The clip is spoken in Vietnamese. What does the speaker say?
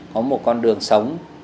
có một con đường sống